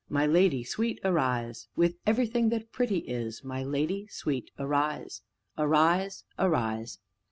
My lady sweet, arise With everything that pretty is, My lady sweet, arise; Arise, arise."